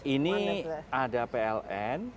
ini ada pln